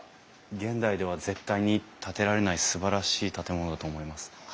現代では絶対に建てられないすばらしい建物だと思います。